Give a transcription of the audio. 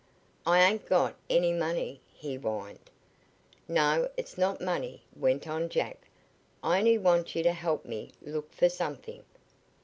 "I ain't got any money," he whined. "No, it's not money," went on Jack. "I only want you to help me look for something."